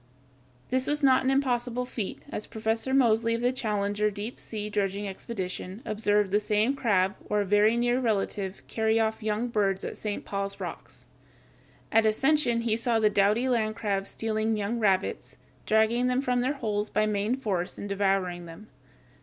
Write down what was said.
This was not an impossible feat, as Professor Mosely, of the Challenger deep sea dredging expedition, observed the same crab or a very near relative, carry off young birds at St. Paul's Rocks. At Ascension he saw the doughty land crabs stealing young rabbits, dragging them from their holes by main force and devouring them.